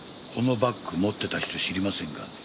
このバッグ持ってた人知りませんか？